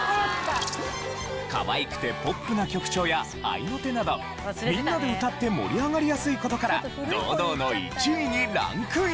かわいくてポップな曲調や合いの手などみんなで歌って盛り上がりやすい事から堂々の１位にランクイン！